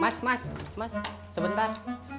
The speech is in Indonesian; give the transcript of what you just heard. mas mas mas sebentar